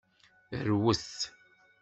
Rwet.